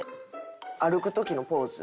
歩く時のポーズ。